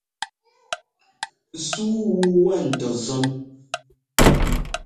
Súu wu wá ŋ́tɔ zɔ́n.